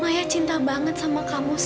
maya cinta banget sama kamu